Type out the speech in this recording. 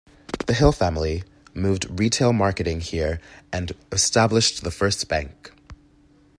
The Hill family moved retail marketing here and established the first bank.